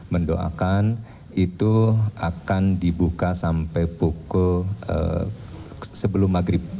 mendoakan itu akan dibuka sampai pukul sebelum maghrib